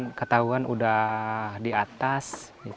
tuan ketahuan sudah di atas